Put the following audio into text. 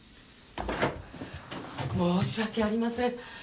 申し訳ありません。